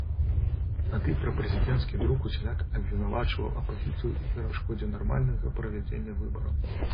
Тады прапрэзідэнцкі друк усяляк абвінавачваў апазіцыю ў перашкодзе нармальнага правядзення выбараў.